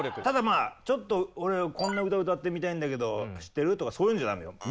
ただまあちょっと俺こんな歌歌ってみたいんだけど知ってる？とかそういうんじゃダメよ。